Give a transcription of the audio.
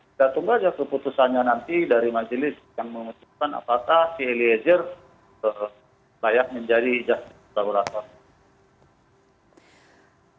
kita tunggu aja keputusannya nanti dari majelis yang memutuskan apakah si eliezer layak menjadi justice collaborator